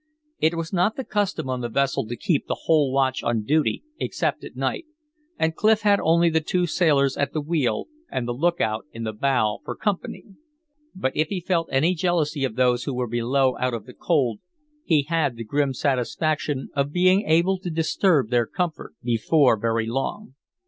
It was not the custom on the vessel to keep the whole watch on duty except at night; and Clif had only the two sailors at the wheel and the lookout in the bow for company. But if he felt any jealousy of those who were below out of the cold, he had the grim satisfaction of being able to disturb their comfort before very long.